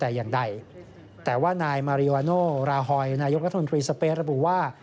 แต่อย่างใดแต่ว่านายมาริวาโนราฮอยนายกรัฐมนตรีสเปสระบุว่า